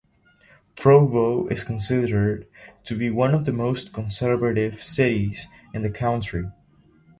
Provo is considered to be one of the most conservative cities in the country.